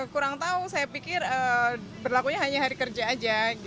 kurang tahu saya pikir berlakunya hanya hari kerja saja